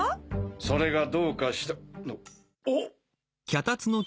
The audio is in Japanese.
それがどうかしたのん！？